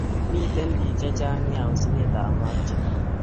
Miten pik che chang nea osent ab mauche